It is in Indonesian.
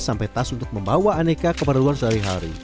sampai tas untuk membawa aneka ke baruan sehari hari